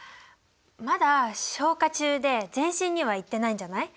まだ消化中で全身には行ってないんじゃない？